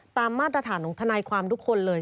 มาตรฐานของทนายความทุกคนเลย